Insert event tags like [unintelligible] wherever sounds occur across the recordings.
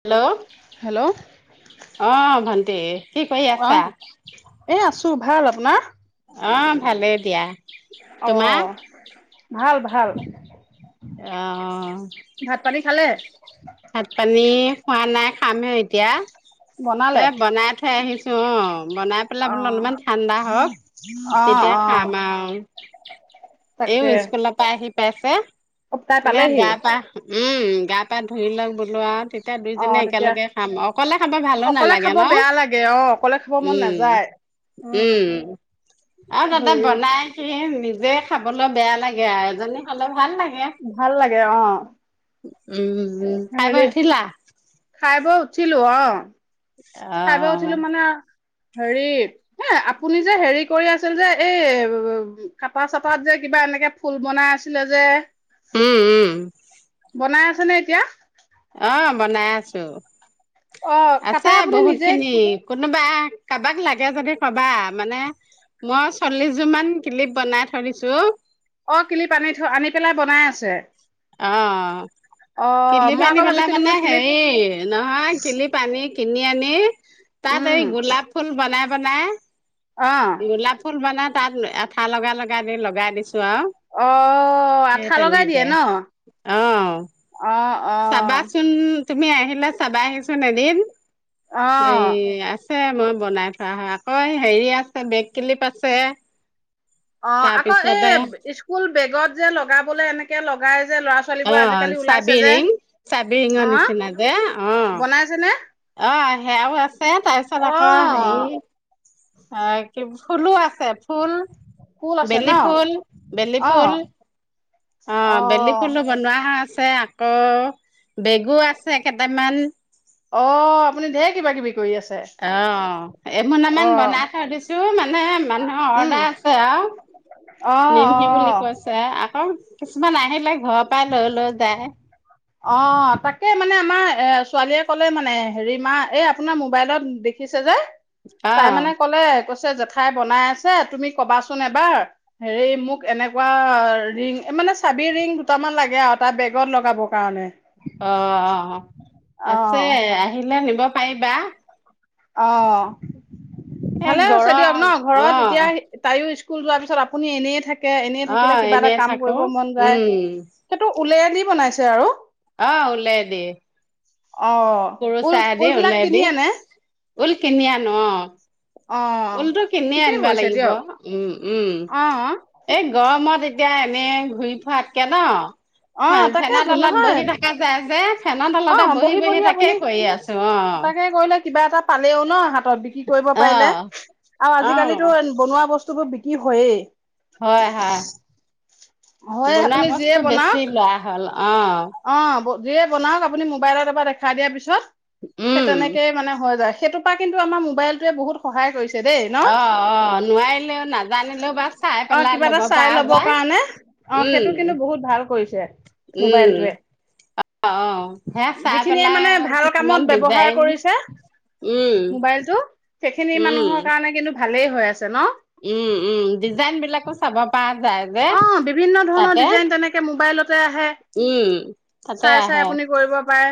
Hello hello অহ ভাল- তে- অ এ আছো- ছো। ভাল আপোনাৰ? অহ ভালেই দিয়া। অ তোমাৰ? ভাল ভাল। অহ, ভাত পানী খালে ভাত-পানী- খোৱা নাই, খামহে এতিয়া। বনালে এ বনাই থৈ আহিছো। অ বনাই পেলাই অ বোলো অলপমান ঠাণ্ডা হওক অ তেতিয়া অ খাম আৰু। [inaudible] এও তাকে স্কুলৰ পৰা আহি- অ তাই [unintelligible] দে পালেহি গা পা উম, গা পা ধুই লওক বোলো আৰু এতিয়া অ দুইজনে তেতিয়া একেলগে খাম অকলে খাব ভালো অকলে নালাগে খাব ন, বেয়া লাগে অ অকলে খাব মন উম নাযায় উম আৰু তাত আকৌ হেৰি বনাইছে যে খাবলৈ বেয়া লাগে আৰু এজনী খালে ভাল লাগে। ভাল লাগে অ'। উম। খাই হেৰি বৈ উঠিলা? খাই বৈ উঠিলো অ'। খাই বৈ উঠিলো অ', মানে হেৰি এ আপুনি যে হেৰি কৰি আছিল যে এই কাটা চাটাত যে কিবা এনেকে ফুল বনাই আছিলে যে উম উম। বনাই আছে নে এতিয়া? অ' বনাই আছো। অ' কাটা আপুনি নিজে কোনোবা কাৰোবাক লাগে যদি কবা মানে মই চল্লিশ জোৰ মান ক্লিপ বনাই থৈ দিছো। অ কিলিপ আনি থৈ আনি পেলাই [unintelligible] অ'। অ কিলিপ মই আনি আকৌ পেলাই ভাবিছিলো মানে বোলো কিলিপ হেৰি নহয় কিলিপ আনি কিনি আনি তাত এই উম গোলাপ ফুল বনাই বনাই অ গোলাপ ফুল বনাত তাত এঠা লগাই লগাই দি লগাই দিছো। অ', আঠা লগাই দিয়ে তেনেকে। ন। অ', অ। অ চাবাচোন তুমি আহিলে চাবাহি চোন এদিন। অ এই আ আছে মই বনাই থোৱা হয় আকৌ হেৰি আছে বেক ক্লিপ আছে। অ' আকৌ এই তাৰপিছতে স্কুল বেগত যে লগাবলে এনেকে লগাই যে ল'ৰা ছোৱালীবোৰ আজিকালি অ' ওলাইছে যে চাবিৰিং, অ চাবিৰিঙৰ নিচিনা যে বনাইছে নে অ' অ' সেয়াও আছে তাৰপিছত অ আকৌ হেৰি অ' কি ফুলু আ ফুল, ফুল আছে ন বেলি ফুল, বেলি অ ফুল অ' বেলি ফুলো বনোৱা হয় আছে আকৌ বেগো আছে কেইটামান। অ' আপুনি ধেৰ কিবা কিবি কৰি আছে অ' অ এমোনামান বনাই থৈ দিছো মানে মানুহৰ উম অৰ্ডাৰ আছে আৰু অ নিমহি বুলি অ কৈছে আকৌ। কিছুমান আহিল লাগে অ' তাকে মানে আমাৰ এ ছোৱালীয়ে ক'লে মানে, হেৰি মা এই আপোনাৰ মোবাইলত দেখিছে যে। তাই অ', মানে ক'লে জেঠাই বনাই আছে, তুমি কবাচোন এবাৰ হেৰি মোক এনেকুৱা ৰিং, মানে চাবি ৰিং। দুটামান লাগে আৰু তাৰ বেগত লগাবৰ কাৰণে। অ'। আছে অ' আহ আহিলে নিব পাৰিবা। অ'। এ ভালে হৈছে দিয়ক গৰম ন, ঘৰত এতিয়া অ', তাইও স্কুল স্কুল যোৱাৰ পিচত আপুনি এনেই থাকে। এনেই থাকিলে অ', কিবা এটা এনেই কাম থাকো কৰিব মন যায়। উম, সেইটো উওললে দি বনাইছে আৰু আহ ঊলে দি। অ' ঊল ঊল বিলাক কিনি ওলেদি আনে? ঊল কিনি আনো অ'। অ' ঊলটো কিনিয়ে ঠিকেই আনিবা কৰিছে লাগিব। দিয়ক উম উম অ' এই গৰমত এতিয়া এনে ঘূৰি ফুৰাতকে ন। অ হয় ফেনৰ তাকেতো তলত নহয় বহি থকা যায় যে। ফেনৰ তলতে বহি বহি তাকে কৰি আছো অ'। তাকে কৰিলে কিবা এটা পালেও না হাত বিক্ৰী কৰিব পাৰিলে অ', আৰু অ', আজিকালিতটো বনোৱা বস্তু বোৰ বিক্ৰী হয়। হয়, হয়। হয় বনোৱা আপুনি যিয়ে বস্তু বনাওক বেছি লোৱা হ'ল। অ', অ' যিয়ে বনাওক। আপুনি মোবাইত এবাৰ দেখাই দিয়াৰ পিছত সেই উম, তেনেকেই মানে হৈ যায়। সেইটোৰ পৰা কিন্ত আমাৰ মোবাইলটোৱে বহুত সহায় কৰিছে। দেই ন অ অ নোৱাৰিলেও নাজানিলেও বা চাই অ পেলাই কিবা এটা লব চাই পৰা ল'ব কাৰণে যায় উম। উম, মোবাইল অ অ সেয়া চাই যিখিনিয়ে মানে পেলাই ভাল কিছুমান কামত ব্যৱহাৰ ডিজাইন কৰিছে উম মোবাইলটো সেইখিনি উম। মানুহৰ কাৰণে কিন্তু ভালেই হৈ আছে ন উম উম ডিজাইন বিলাকো চাব পৰা যায় যে অ', বিভিন্ন ধৰণৰ তাতে ডিজাইন তেনেকে মোবাইলতে আহে উ চাই চাই আপুনি কৰিব পাৰে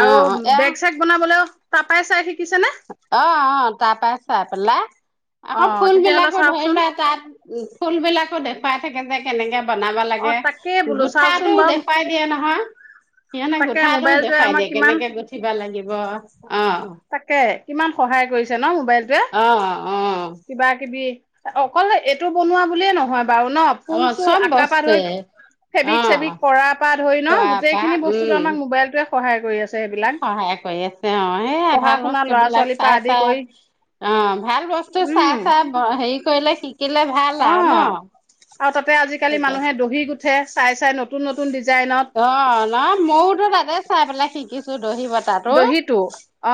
আৰু অ', এয়া বেগ চেগ বনাবলৈও তাপাই চাই আহি অ অ তাৰ পৰাৰা চাই পেলা আকৌ অ', ফুল তেতিয়াহ'লে বিলাকো ধৰি চাওকচোন। লোৱা তাত ফুল বিলাকো দেখ পাই থাকে যে কেনেকে বনাব অ', লাগে তাকে বোলো চাওকচোন গুঠাটোও বাৰু দেখুৱাই দিয়ে নহয় সিনে তাকে গুঠাটোও মোবাইলটোৱে দেখুৱাই আমাক দিয়ে কিমান কেনেকে গুঠিবা লাগিব বা তাকে কিমান সহায় কৰিছে ন সেইটোৱে অ', অ', কিবা কিবি অকল এইটো বনোৱা বুলিয়ে নহয়, বাৰু ন ফুল অ', চুল চব আকা পা ধই বস্তুৱে ফেব্ৰিক চেব্ৰিক অ', কৰা পা ধই ন খোৱাৰ গোটেই পৰা খিনি বস্তুত উম। আমাক মোবাইলটোৱে সহায় কৰি আছে। সেইবিলাক। সহায় কৰি আছে অ সে পঢ়া ভাল শুনা বস্তু ল'ৰা বিলাক ছোৱালীৰ পৰা চাই আদি চাই কৰি অ ভাল বস্তু উম, চাই চাই হেৰি কৰিলে শিক অ আৰু তাতে আজিকালি মানুহে দহি গো উঠে চাই চাই নতুন নতুন ড অ নহয় ময়তো তাতে চাই পেলাই শিক কি দহি বতাটো দহিটো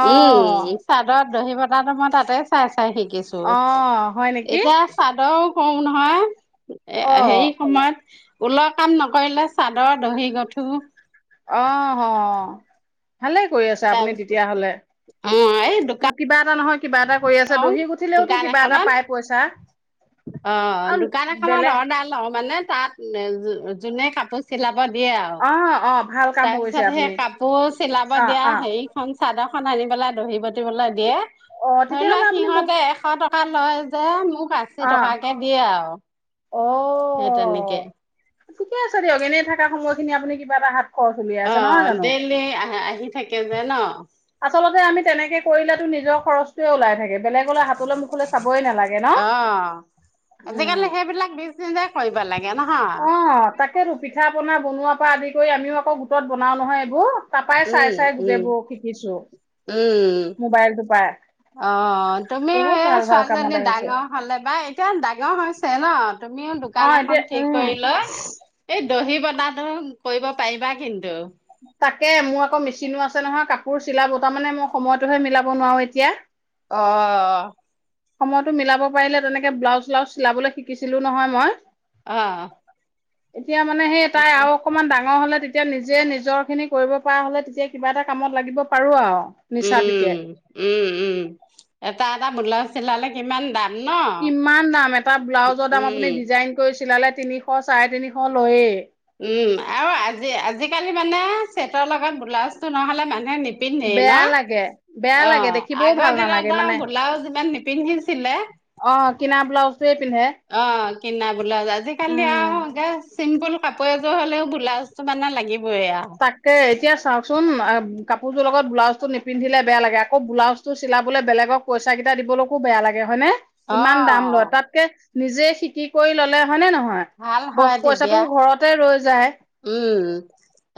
অহ উম চাদত দহি বতাহটো মই তাতেই চাইছো চাই শিকিছো অহ হয় নেকি এতিয়া চাদৰ কওঁ নহয়। এ অ সেই সময়ত ঊলৰ কাম নকৰিলে চাদৰ দহি গঠো অ অ। ভালে কৰি আছে আপুনি তাৰপিছত তেতিয়াাহলে অ' এই ন দোকান কিবা এটা নহয় কিবা এটা কৰি আছে লওঁ দহি গঠিলেওতো দোকান কিবা এটা এখনত পাই পইচা। অ' আৰু দোকান এখনত বেলেগ অৰ্ডাৰ লওঁ মানে তাত [unintelligible] যোনে কাপোৰ চিলা দিয়ে আৰু। অ অ ভাল কাম কৰিছে তাৰপিছত সেই আপুনি কাপোৰ চিলাব অ দিয়া অ হেৰিখন চাদৰখন আনি পেলাই দহি বতিবলৈ দিয়ে। অ' তেতিয়াহ'লে আপুনি বহু কা লয় যে, মোক অ টকাকে দিয়ে আৰু। অ সেই তেনেকে। ঠিকে আছে দিয়ক। এনেই থকা সময়খিনি আপুনি কিবা এটা হাত খৰচ উলিয়াই আছে নহয় অ' জানো ডেইলি আহ- আহি থাকে যে ন'। আচলতে আমি তেনেকে কৰিলেতো নিজৰ খৰচটোৱে ওলাই থাকে বেলেগলে হাতলৈ মুখলৈ চাবই নালাগে ন'? অ আজিকালি উম, সেইবিলাক বিজনেছে কৰিব লাগে নহয় অ' তাকেতো। পিঠাপনা বনোৱাৰ পৰা আদি কৰি আমিও আকৌ গোটত বনাওঁ নহয় এইবোৰ। তাৰপাই চাই উম চাই উম গোটেইবোৰ শি উম, পাই অ' তুমিও বহুত এই ভাল ভাল কামত ছোৱালীজনী আহিছে ডাঙৰ হলে বা এতিয়া ডাঙৰ হৈছে ন' তুমিও অ দোকান এখন এতিয়া ঠিক উম কৰি লোৱা এই দহি বনাটো কৰিব পাৰিবা কিন্তু তাকে মোৰ আকৌ মেচিনো আছে নহয় কাপোৰ চিলাব তাৰ মানে মই সময়তোহে মিলাব নোৱাৰো এতিয়া অ সময়তটো মিলাব পাৰিলে তেনেকে ব্লাউজ ল্চাউজ চিলাবলৈ শিকিছিলো নহয় মই অ এতিয়া মানে সেই তাই অ আও অকণমান ডাঙৰ হলে তেতিয়া নিজে নিজৰ খিনি কৰিব পৰা হলে তেতিয়া কিবা এটা কামত লাগিব পাৰো আও উম উম উম এটা এটা ব্লাউজ চিলালে কিমান দাম ন কিমান দাম এটা ব্লাউজৰ দাম উম আপুনি ডিজাইন কৈছ চিলালে তিনিশ চাৰে তিনিশ লৈয়ে উম চছেটৰ লগত ব্লাউজটো নহলে মানুহ বেয়া লাগে বেয়া অ লাগে দেখিবও আগৰ ভাল নালাগে দিনত আৰু মানে ব্লাউজ ইমান নিপিন্ধিছিলে অ কিনা ব্লাউজটোয়ে পিন্ধে অহ কিনা ব্লাউজ আজিকালি উম আহ গেছ চিম্পুল কাপোৰ এযোৰ হলেও ব্লাউজটো মানে লাগিব তাকে এতিয়া চাওকচোন কাপোৰযোৰৰ লগত ব্লাউজটো নিপিন্ধিলে বেয়া লাগে, আকৌ বোলাউজটো চিলাবলৈ বেলেগক পইচাকেইটা দিবলৈকো বেয়া লাগে হয়নে? অ ইমান দাম লোৱা তাতকে। নিজে শিকি কৰি ল'লে। হয় নে নহয় ভাল ব হয় পইচাটো তেতিয়া ঘৰতে ৰৈ। যায় উম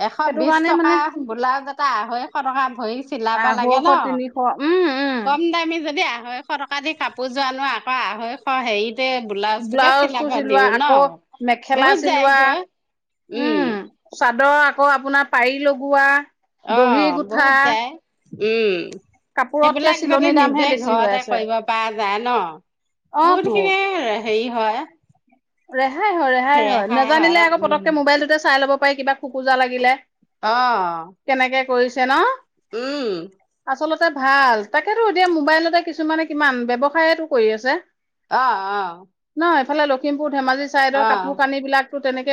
এ। এশ সেইটো বিশ কাৰণে টকা মানে গোলা। যাতে আঢ়ৈশ টকা। ভৰি চিলাব লাগে নহ আঢ়ৈশ তিনিশ উম কম উম দামি যে দিয়া। আঢ়ৈশ টকা দি কাপোৰযোৰ আনো আকৌ আঢ়ৈশ হেৰিত। ত ব্লাউজটোকে ব্লাউজটো চিলাব চিলোৱা দিওঁ ন আকৌ মেখেলা বহুত যায় চিলোৱা গৈ। উম। চাদৰ আকৌ আপোনাৰ পাৰি লগোৱা। অ দহি গুঠা। বহুত যায় উম। কাপোৰতকে সেইবিলাক যদি চিলনিৰ দামহে নিজে বেছি হৈ ঘৰতে আছে কৰিব পৰা যায় নহ অ বহুত তো খিনি ৰেহা। হেৰি হয়। ৰেহাই হয় ৰেহাই হয়, নেজানিলে হয় আকৌ উম পতককে মোবাইলটোতে চাই ল'ব। কিবা খোকোজা লাগিলে। অহ। কেনেকে কৰিছে নহ। উম। আচলতে ভাল, তাকেতো এতিয়া মোবাইলতে কিছুমানে কিমান ব্যৱসায়তো কৰি আছে। অহ অহ। এফালে লগ। কীব'ৰ্ড। অহ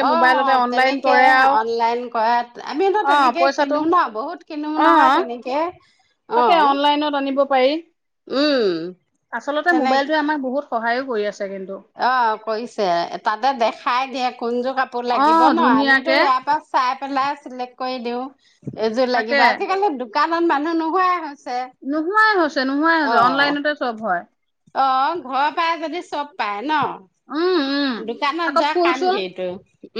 অহ মোবাইলতে অনলাইন তেনেকে কৰে আৰু অনলাইন কৰে, আমিতো অ তেনেকেই পইচাটো কিনো নহ বহুত কিনো অ নহয় তেনেকে। অ তাকে অনলাইনত আনিব পাৰি। উম। আচলতে মোবাইলটোৱে আমাৰ বহুত সহায়ও। গৈ আছোঁ। অহ কৰিছে তাতে দেখাই দিয়ে। কোন যোৰ কাপোৰ অ লাগিব ন আমিতো ধুনীয়াকে ইয়াৰ পৰা চাই। পেলাই চিলেক্ট কৰি দিওঁ। এযোৰ তাকে লাগিব আজিকালি। দোকানত মানুহ নোহোৱা হৈছে। নোহোৱাই হল। নোহোৱাই হল, অনলাইনতে চব হয়। অহ, ঘৰৰ পৰা যদি চব পায় ন। উম উম দোকানত আকৌ যোৱা ফুল কাম চুল কি ইটো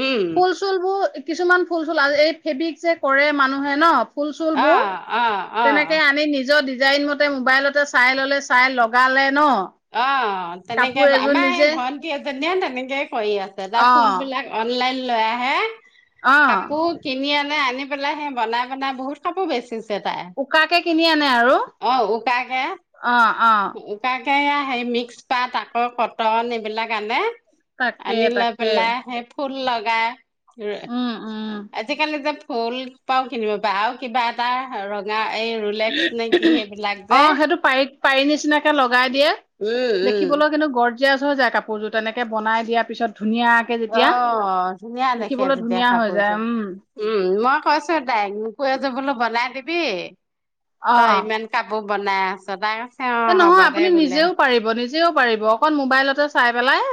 উম। ফুল চুলবোৰ কিছুমান ফুল চুল, এই ফেব্ৰিক যে কৰে মানুহে ন। ফুল-চুল অ বোৰ অ অ তেনেকে আনি নিজৰ ডিজাইন মতে মোবাইলতে চাই ললে, চাই লগালে ন। অহ। তেনেকে কাপোৰ এযোৰ আমাৰ এই নিজে ভন্টি এজনীয়ে তেনেকে কৰি আছে তাৰ অ ফুল বিলাক অনলাইন। লৈ আহে। অ কাপোৰ কিনি আনে, আনি পেলাই সে বনাই-বনাই বহুত কপোৰ বেছিচে। উকাকে কিনি আনে আৰু অ। অ উকা কে সেয়া মিক্স পাত আকৌ কটন এইবিলাক আনে। তাকে আনি লৈ তাকে পেলাই হে ফুল লগায়। উম আজিকালি যে ফুল ফুল পাও কিনিব প আৰু কিবা এটা ৰঙা, এই ৰুলেক্স নে কি সেইবিলাক যে অ' সেইটো পাৰি, পাৰি নিচিনাকে লগাই দিয়ে উম উম দেখিবলৈ কিন্তু গড জিয়চ হৈ যায় কাপোৰযোৰ তেনেকৈ বনাই দিয়াৰ পিছত। ধুনীয়াকে যেতিয়া অ' ধুনীয়া দেখে দেখিবলৈ তেতিয়া ধুনীয়া হৈ যায় কাপোৰযোৰ, উম উম' মই কৈছো তাইক মোকো এযোৰ বোলো বনাই দিবি। দিবি। তই অ ইমান কাপোৰ বনাই আছ তাই কৈছে এ অ' হ'ব নহয় দে আপুনি বোলে নিজেও পাৰিব নিজ নিজেও পাৰিব অকণ মোবাইলতে চাই পেলাই।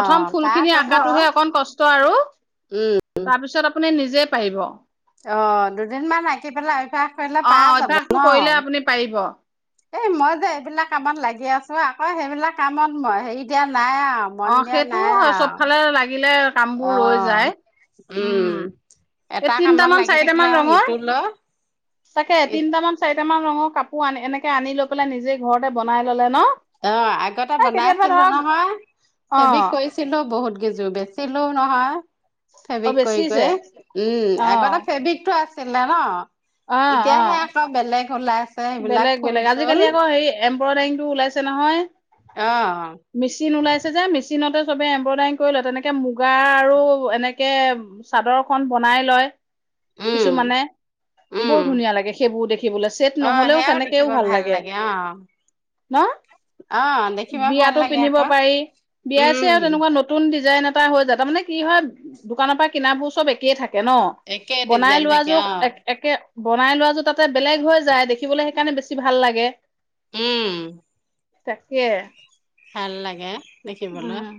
প্ৰথম ফুল পাৰা খিনি যাব আকাটোহে অকন কষ্ট। কষ্ট আৰু উম তাৰ পিছত আপুনি নিজ যে পাৰিব। অঁ দুদিন মান আঁকি পেলাই অ অ অভ্যাসটো কৰিলে আপুনি পাৰিব। এই মই যে এইবিলাক কামত লাগি আছো আকৌ সেইবিলাক কামত মই হেৰি দিয়া নাই আৰু মন অ', দিয়া সেইটোও নাই হয় আৰু চবফালে লাগিলে অ কামবোৰ ৰৈ যায়। উম এই এটা কামত তিনটামান লাগি থাকিলে চাৰিটামান আৰু ৰঙৰ, ইটো লৈ তাকে তিনটামান চাৰিটামান ৰঙৰ কাপু কাপোৰ এনেকে আনি লৈ পেলাই নিজেই ঘৰতে বনাই ললে ন অঁ, আগতে এই কেতিয়াবা বনাইছিলো ধৰক নহয়। অ ফেব্ৰিক কৰিছিলো। বহুত গেইযোৰ বেচিলো নহয়। অ ফেব্ৰিক কৰি বেচিছে কৰি, অ উম আগতে ফেব্ৰিকটো আছিলে ন। অ অ এতিয়াহে আকৌ বেলেগ [unintelligible] বেলেগ ফুল বেলেগ চুল আজিকালি আকৌ হেৰি এম্ব্ৰইডাৰিংটো ওলাইছে নহয়। অঁ। মেচিন ওলাইছে যে মেচিনতে চবে এম্ব্ৰইডাৰি কৰি লয় তেনেকে মুগা আৰু এনেকে চাদৰ খন বনাই লয়। কিছু উম মানে উম বৰ ধুনীয়া লাগে সেইবোৰ দেখিবলৈ চেট অ নহলেও সেয়াও সেনেকেও দেখিব ভাল লাগে অ ন, অ দেখিবা ভাল বিয়াতো লাগে পিন্ধিব আকৌ পাৰি বিয়া চিয়া উম তেনেকুৱা নতুন ডিজাইন এটা হৈ যায় তাৰ মানে কি হয় দোকানৰ পৰা কিনাবোৰ চব একেইে থাকে। থাকে ন একে বনাই ডিজাইন লোৱা থাকে যোৰ অ একে একে বনাই লোৱা যোৰ তাতে বেলেগ হৈ যায়। দেখিবলৈ সেইকাৰণে বেছি ভাল লাগে। উম। তাকে। ভাল লাগে দেখিবলৈ উম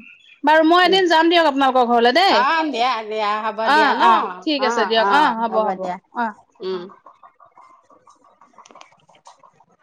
বাৰু মই উম এদিন যাম দিয়ক আপোনালোকৰ ঘৰলে দেই অঁ দিয়া দিয়া হ'ব অ দিয়া ন অ ঠিক আছে অঁ, দিয়ক অ অঁ হ'ব দিয়া অ উম।